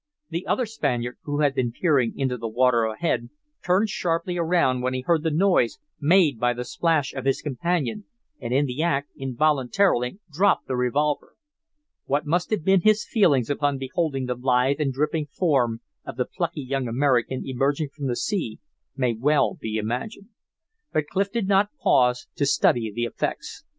The other Spaniard, who had been peering into the water ahead, turned sharply around when he heard the noise made by the splash of his companion, and in the act involuntarily dropped the revolver. What must have been his feelings upon beholding the lithe and dripping form of the plucky young American emerging from the sea, may well be imagined. But Clif did not pause to study the effects.